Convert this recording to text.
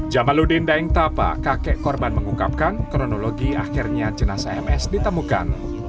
jamaludin daeng tapa kakek korban mengungkapkan kronologi akhirnya jenazah ms ditemukan